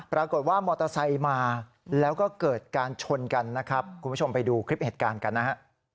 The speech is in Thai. ปรากฏว่ามอเตอร์ไซค์มาแล้วก็เกิดการชนกันนะครับคุณผู้ชมไปดูคลิปเหตุการณ์กันนะฮะ